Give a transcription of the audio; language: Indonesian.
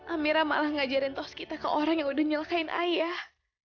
amira malah ngajarin tos kita ke orang yang udah nyelekain ayah